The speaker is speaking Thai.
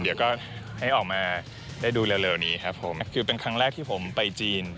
เดี๋ยวก็ให้ออกมาได้ดูเร็วนี้ครับผมคือเป็นครั้งแรกที่ผมไปจีน